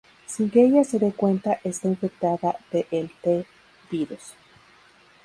Sin que ella se de cuenta está infectada de el T-Virus.